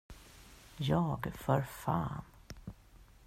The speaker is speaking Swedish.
Jag, för fan!